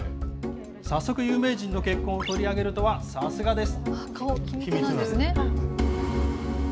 早速有名人の結婚を取り上げるとは、さすがです。